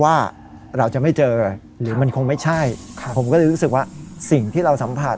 ว่าเราจะไม่เจอหรือมันคงไม่ใช่ผมก็เลยรู้สึกว่าสิ่งที่เราสัมผัส